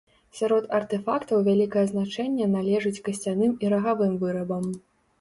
Сярод артэфактаў вялікае значэнне належыць касцяным і рагавым вырабам.